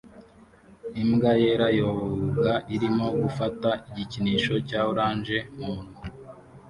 Imbwa yera yoga irimo gufata igikinisho cya orange mumunwa